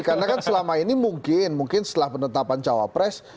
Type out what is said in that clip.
karena kan selama ini mungkin mungkin setelah penetapan cawa press